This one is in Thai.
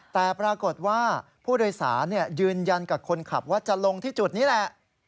แต่ปรากฏว่าผู้โดยสารยืนยันกับคนขับว่าจะลงที่จุดนี้แหละ